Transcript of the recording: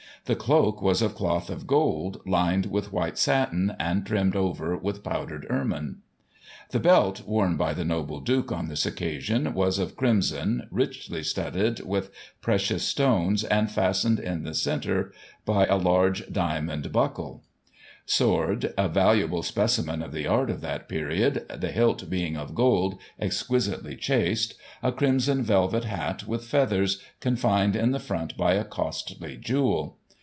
The cloak was of cloth of gold, lined with white satin, and trimmed over with powdered ermine. The belt worn by the Noble Duke, on this occasion, was of crimson, richly studded with Digiti ized by Google I90 GOSSIP. [1842 precious stones, and fastened in the centre by a large diamond buckle. Sword, a valuable specimen of the art of that period, the hilt being of gold, exquisitely chased ; a crimson velvet hat with feathers, confined in the front by a costly jewel.